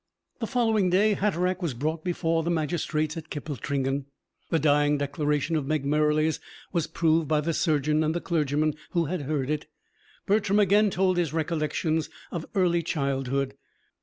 The following day, Hatteraick was brought before the magistrates at Kippletringan. The dying declaration of Meg Merrilies was proved by the surgeon and the clergyman who had heard it. Bertram again told his recollections of early childhood.